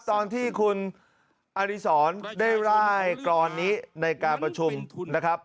ตอนที่คุณอริสรได้ร่ายกรอนนี้ในการประชุมนะครับ